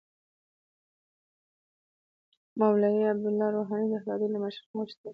مولوی عبدالله روحاني د اتحادیو له مشرانو وغوښتل